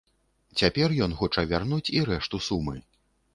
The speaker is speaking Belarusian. Цяпер ён хоча вярнуць і рэшту сумы.